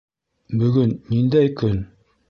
Бөгөн ниндәй көн?